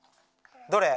どれ？